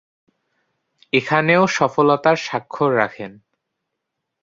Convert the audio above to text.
এখানেও সফলতার স্বাক্ষর রাখেন।